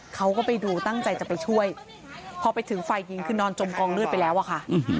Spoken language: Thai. เขาก็ไปดูตั้งใจจะไปช่วยพอไปถึงฝ่ายยิงคือนอนจมกองเลือดไปแล้วอะค่ะ